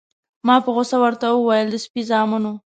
ما په غوسه ورته وویل: د سپي زامنو.